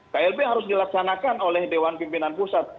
klb harus dilaksanakan oleh dewan pimpinan pusat